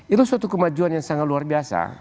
itu suatu kemajuan yang sangat luar biasa